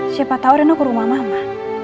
siapa tau reno ke rumah mama